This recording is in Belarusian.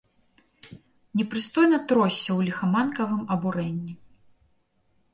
Непрыстойна тросся ў ліхаманкавым абурэнні.